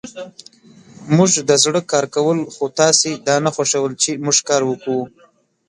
موژدزړه کارکول خوتاسی دانه خوښول چی موژکاروکوو